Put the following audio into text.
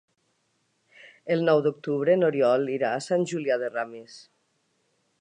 El nou d'octubre n'Oriol irà a Sant Julià de Ramis.